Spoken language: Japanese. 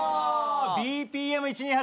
ＢＰＭ１２８です。